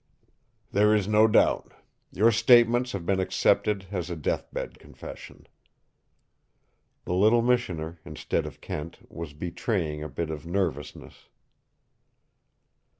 "There is no doubt. Your statements have been accepted as a death bed confession." The little missioner, instead of Kent, was betraying a bit of nervousness.